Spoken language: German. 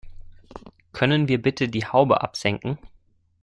Können wir bitte die Haube absenken?